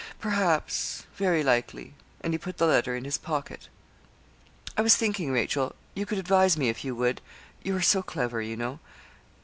'Perhaps very likely;' and he put the letter in his pocket. 'I was thinking, Rachel, you could advise me, if you would, you are so clever, you know.'